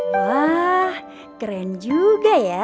wah keren juga ya